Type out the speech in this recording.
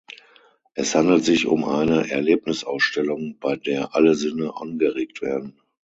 Es handelt sich um eine Erlebnisausstellung, bei der alle Sinne angeregt werden.